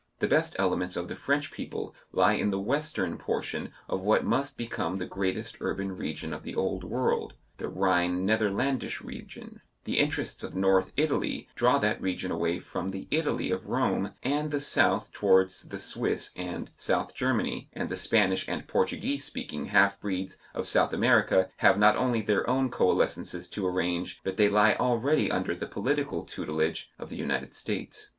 The best elements of the French people lie in the western portion of what must become the greatest urban region of the Old World, the Rhine Netherlandish region; the interests of North Italy draw that region away from the Italy of Rome and the South towards the Swiss and South Germany, and the Spanish and Portuguese speaking halfbreeds of South America have not only their own coalescences to arrange, but they lie already under the political tutelage of the United States.